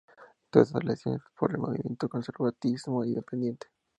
Todas estas elecciones por el Movimiento Conservatismo Independiente.